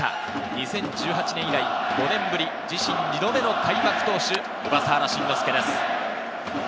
２０１８年以来、自身２度目の開幕投手、小笠原慎之介です。